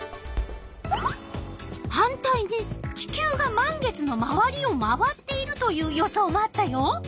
反対に地球が満月のまわりを回っているという予想もあったよ。